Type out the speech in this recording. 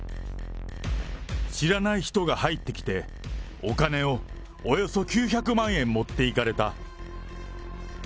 知らない人が入ってきて、お金をおよそ９００万円持っていかれた。